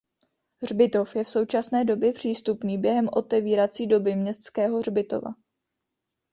Hřbitov je v současné době přístupný během otevírací doby městského hřbitova.